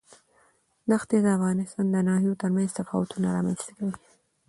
ښتې د افغانستان د ناحیو ترمنځ تفاوتونه رامنځ ته کوي.